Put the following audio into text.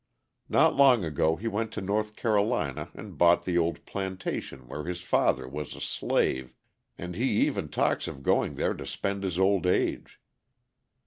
Not long ago he went to North Carolina and bought the old plantation where his father was a slave, and he even talks of going there to spend his old age.